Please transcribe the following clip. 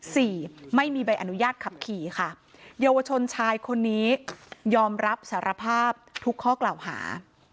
สี่ไม่มีใบอนุญาตขับขี่ค่ะเยาวชนชายคนนี้ยอมรับสารภาพทุกข้อกล่าวหา